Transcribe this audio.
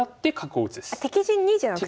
あ敵陣にじゃなくて。